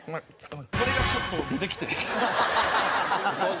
これがちょっと出てきて。